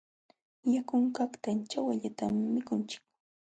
Yakunkaqta ćhawallatam mikunchik.